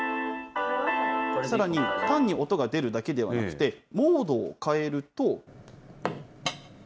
さらに、単に音が出るだけではなくて、モードを変えると。